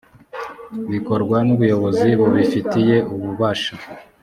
bikorwa n ubuyobozi bubifitiye ububasha